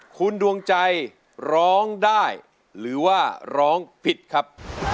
คุณดวงใจร้องได้หรือว่าร้องผิดครับ